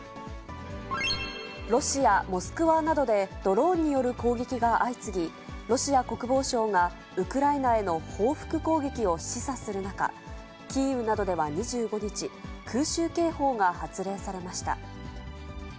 ロシア・モスクワなどで、ドローンによる攻撃が相次ぎ、ロシア国防省がウクライナへの報復攻撃を示唆する中、キーウなどでは２５日、空襲警報が発令されました。